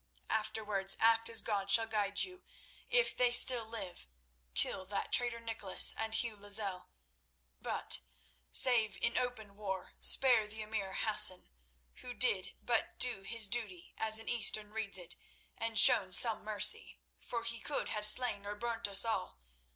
"Afterwards act as God shall guide you. If they still live, kill that traitor Nicholas and Hugh Lozelle, but, save in open war, spare the Emir Hassan, who did but do his duty as an Eastern reads it, and showed some mercy, for he could have slain or burnt us all.